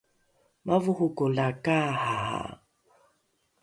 mavoroko la kaarara